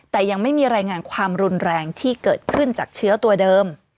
แต่ยังไม่มีรายงานความรุนแรงที่เกิดขึ้นจากเชื้อตัวเดิม